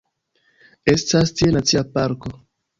Estas tie nacia parko.